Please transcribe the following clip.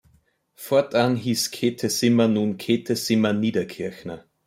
Fortan hieß Käte Sima nun Käte Sima-Niederkirchner.